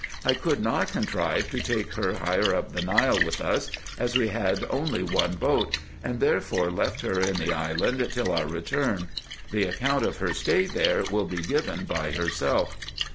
I could not contrive to take her higher up the Nile with us, as we had only one boat ; and therefore left her in the island till our return. The account of her stay there will be given by herself.